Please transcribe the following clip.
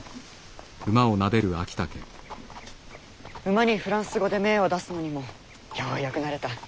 馬にフランス語で命を出すのにもようやく慣れた。